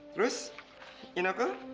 terus ine ke